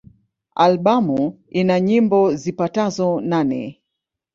Albamu ina nyimbo zipatazo nane.